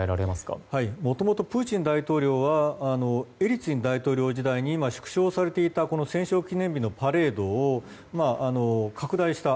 もともとプーチン大統領はエリツィン大統領時代に縮小されていた戦勝記念日のパレードを拡大した。